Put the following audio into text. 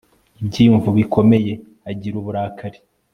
ibyiyumvo bikomeye; agira uburakari